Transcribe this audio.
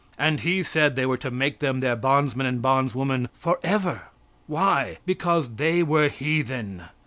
And He said they were to make them their bondsmen and bondswomen forever. Why? Because they were heathen.